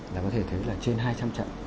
là có thể thấy là trên hai trăm linh trận